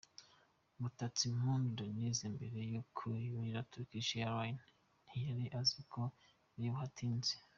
Mutatsimpundu Denyse mbere yuko yurira Turkish Airlines ntiyari azi ko iribubatinze.